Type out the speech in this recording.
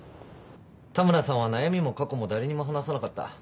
田村さんは悩みも過去も誰にも話さなかった。